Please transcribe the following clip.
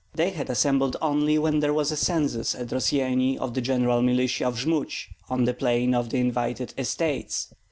They all assembled only when there was a census at Rossyeni of the general militia of Jmud on the plain of the invited Estates.